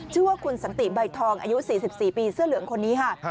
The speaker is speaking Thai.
ชื่อว่าคุณสันติใบทองอายุ๔๔ปีเสื้อเหลืองคนนี้ค่ะ